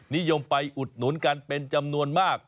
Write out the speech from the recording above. นิยมไปอุดหนุนกันเป็นจำนวนมาก